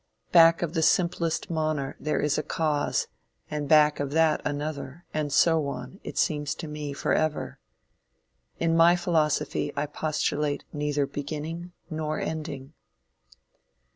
Back of the simplest moner there is a cause, and back of that another, and so on, it seems to me, forever. In my philosophy I postulate neither beginning nor ending.